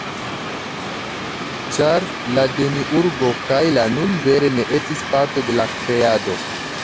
Ĉar la Demiurgo kaj la "Nun" vere ne estis parto de la Kreado.